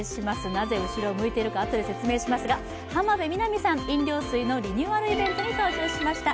なぜ後ろを向いているかあとでお伝えしますが浜辺美波さん、飲料水のリニューアルイベントに登場しました。